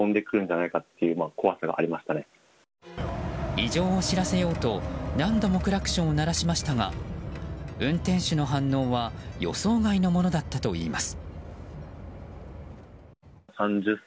異常を知らせようと、何度もクラクションを鳴らしましたが運転手の反応は予想外のものだったといいます。